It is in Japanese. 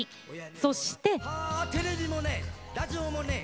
そして。